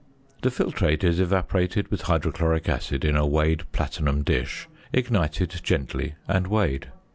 The filtrate is evaporated with hydrochloric acid in a weighed platinum dish, ignited gently, and weighed.